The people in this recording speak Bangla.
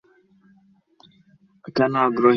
কেউ আগ্রহী নন?